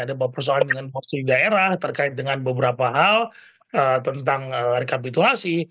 ada persoalan dengan posisi daerah terkait dengan beberapa hal tentang rekapitulasi